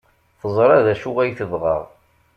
Teẓra d acu ay tebɣa.